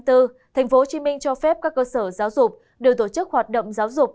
tp hcm cho phép các cơ sở giáo dục đều tổ chức hoạt động giáo dục